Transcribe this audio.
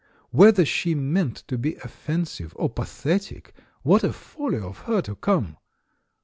Whether she meant to be offensive, or pathetic, what a folly of her to come!